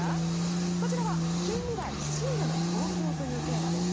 こちらは「近未来深夜の東京」というテーマです。